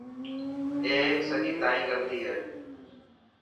اي سڄي تائن غلطي هي.